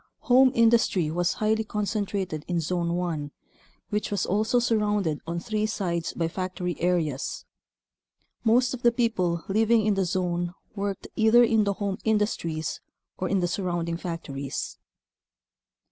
Home industry was highly concentrated in Zone 1 which was also surrounded on three sides by factory areas. Most of the people living in the zone worked either in the home industries or in the surrounding factories.